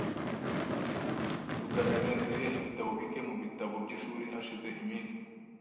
rukara yagenzuye ibitabo bike mubitabo byishuri hashize iminsi .